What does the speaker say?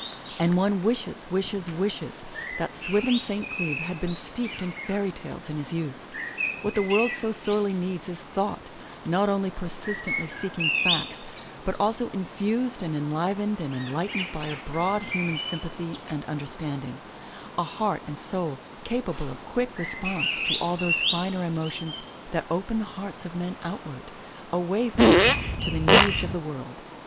And one wishes, wishes, wishes, that Swithin St. Cleeve had been steeped in fairy tales in his youth. What the world so sorely needs is thought, not only persistently seeking facts, but also infused and enlivened and enlightened by a broad human sympathy and understanding, a heart and soul capable of quick response to all those finer emotions 202 THE LATCH KEY that open the hearts of men outward, away from self to the needs of the world.